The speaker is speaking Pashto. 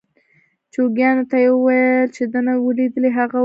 جوګیانو ته یې وویل چې ده نه وي لیدلي هغه وکړي.